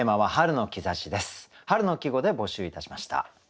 春の季語で募集いたしました。